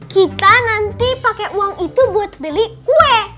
kita nanti pakai uang itu buat beli kue